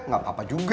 gak apa apa juga